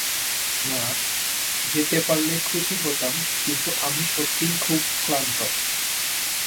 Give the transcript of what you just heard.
না, যেতে পারলে খুশি হতাম কিন্তু আমি সত্যিই খুব ক্লান্ত।